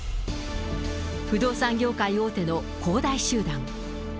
不動産業界大手の恒大集団。